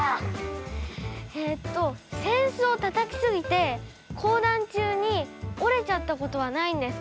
えっと扇子をたたきすぎて講談中に折れちゃったことはないんですか？